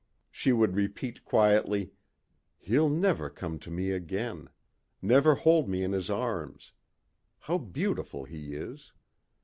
She would repeat quietly, "He'll never come to me again. Never hold me in his arms. How beautiful he is.